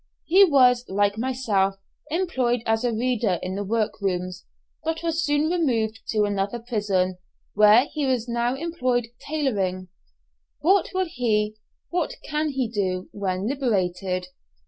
He was, like myself, employed as a reader in the work rooms, but was soon removed to another prison, where he is now employed tailoring! What will he what can he do, when liberated?